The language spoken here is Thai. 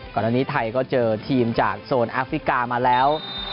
ก่อนอันนี้ไทยก็เจอทีมจากโซนอาฟริกามาแล้ว